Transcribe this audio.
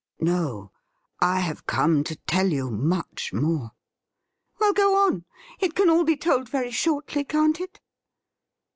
' No ; I have come to tell you much more.' ' Well, go on ; it can all be told very shortly, can't it